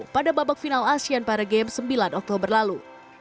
pada babak final asean para games sembilan oktober lalu